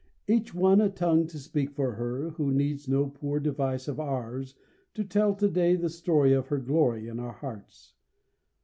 Each one a tongue to speak for her, who needs No poor device of ours to tell to day The story of her glory in our hearts.